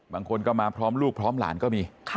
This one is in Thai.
บางคนก็มาพร้อมลูกพร้อมหลานก็มี